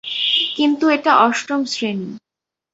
কিন্তু এটা অষ্টম শ্রেণী।